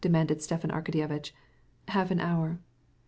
asked Stepan Arkadyevitch. "Half an hour."